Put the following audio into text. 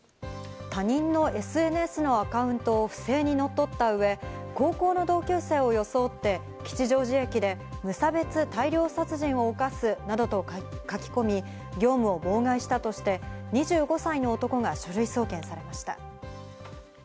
他人のＳＮＳのアカウントを不正に乗っ取った上、高校の同級生を装って、吉祥寺駅で無差別大量殺人をおかすなどと書き込み、業務を妨害したとして２５歳の男が書類送検されました。